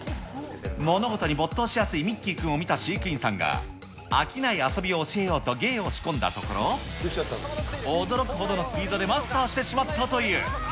物事に没頭しやすいミッキーくんを見た飼育員さんが、飽きない遊びを教えようと、芸を仕込んだところ、驚くほどのスピードでマスターしてしまったという。